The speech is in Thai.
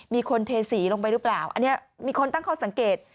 มีคนเทสีลงไปหรือเปล่าอันนี้มีคนตั้งข้อสังเกต